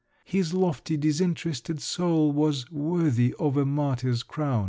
His lofty, disinterested soul was worthy of a martyr's crown!"